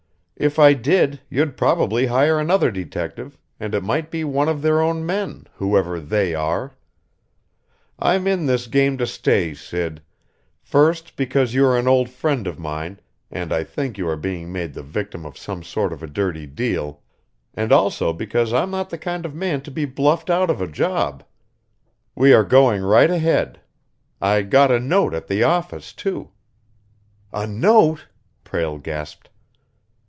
If I did, you'd probably hire another detective, and it might be one of their own men whoever they are. I'm in this game to stay, Sid, first because you are an old friend of mine and I think you are being made the victim of some sort of a dirty deal, and also because I'm not the kind of man to be bluffed out of a job. We are going right ahead. I got a note at the office, too." "A note!" Prale gasped.